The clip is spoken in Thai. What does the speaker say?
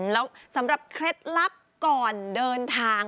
แล้วสำหรับเคล็ดลับก่อนเดินทาง